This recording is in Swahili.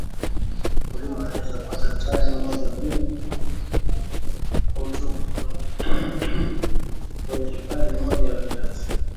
mkulima anaweza pata tani mojambili kautoka kwenywe hekari moja ya viazi